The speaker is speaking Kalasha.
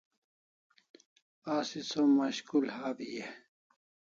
Asi som mashkul hawi e ?